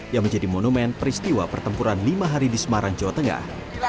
yang menjadi monumen peristiwa pertempuran lima hari di semarang jawa tengah